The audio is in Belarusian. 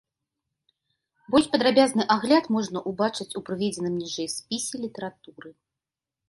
Больш падрабязны агляд можна ўбачыць у прыведзеным ніжэй спісе літаратуры.